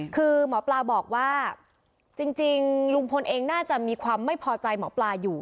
คือหมอปลาบอกว่าจริงลุงพลเองน่าจะมีความไม่พอใจหมอปลาอยู่